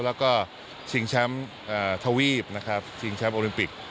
แล้วก็ชิงช้ำทวีปนะครับชิงช้ำโอลิมปิก